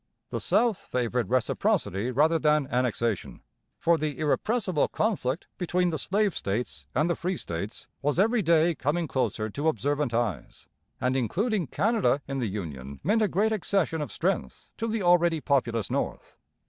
The South favoured reciprocity rather than Annexation, for the 'irrepressible conflict' between the slave states and the free states was every day coming closer to observant eyes, and including Canada in the Union meant a great accession of strength to the already populous North.